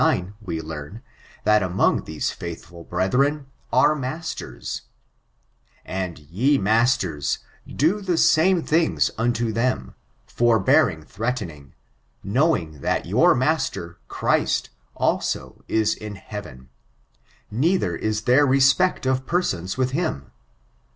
9, we learn, that among these faithful brethren are masters: "And ye masters, do the same things unto them, forbearing threatening: knowing that your Master, [Christ J also, is in heaven ; neither is there respect of persons with him.